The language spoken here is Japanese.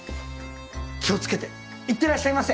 気を付けていってらっしゃいませ！